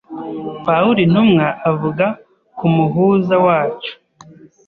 Pawulo intumwa avuga ku Muhuza wacu,